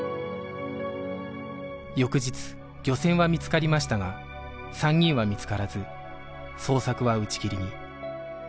翌日漁船は見つかりましたが３人は見つからず捜索は打ち切りに